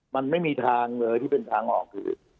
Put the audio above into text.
มันไม่มีทางเลยที่เป็นทางออกคือ